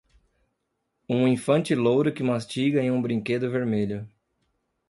Um infante louro que mastiga em um brinquedo vermelho.